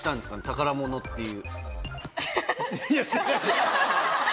宝物っていう。